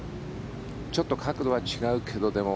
ちょっと角度は違うけどでも。